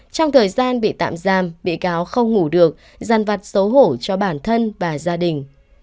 trong thời gian bị tạm giam bị cáo không ngủ được dàn vặt xấu hổ cho bản thân và gia đình